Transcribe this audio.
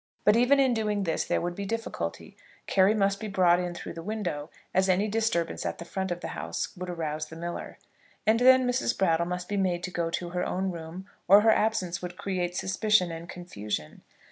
But even in doing this there would be difficulty. Carry must be brought in through the window, as any disturbance at the front of the house would arouse the miller. And then Mrs. Brattle must be made to go to her own room, or her absence would create suspicion and confusion.